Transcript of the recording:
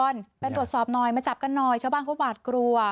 ไปตรวจสอบหน่อยมาจับกันหน่อยชาวบ้านเขาหวาดกลัว